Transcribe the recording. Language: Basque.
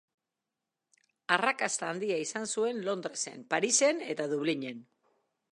Arrakasta handia izan zuen Londresen, Parisen eta Dublinen.